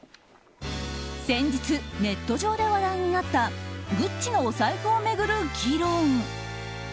先日、ネット上で話題になったＧＵＣＣＩのお財布を巡る議論。